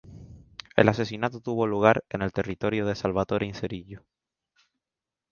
El asesinato tuvo lugar en el territorio de Salvatore Inzerillo.